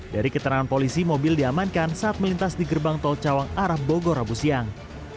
dari keterangan polisi mobil diamankan saat melintas di gerbang tol cawang arah bogor rabu siang